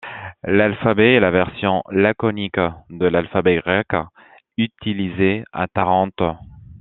L'alphabet est la version laconique de l'alphabet grec utilisée à Tarente.